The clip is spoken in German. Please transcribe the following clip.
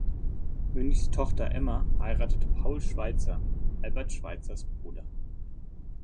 Münchs Tochter Emma heiratete Paul Schweitzer, Albert Schweitzers Bruder.